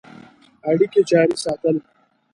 اړیکي جاري ساتل.